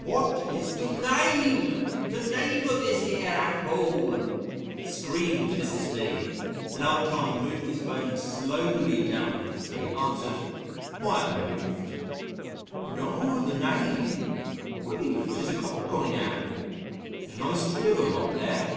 "What is the NAME? THE NAME OF THIS YER APPULL," screamed Mrs. B., and old Tom moving his bones slowly down from the tree answered quite unmoved, "Aw the name? Why, 'tis a common kind of appull there's a nice tree of 'em up there."